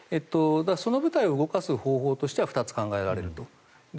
その部隊を動かす方法としては２つ考えられると。